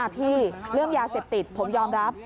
พี่เรื่องยาเสพติดผมยอมรับ